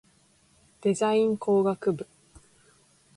デザイン工学部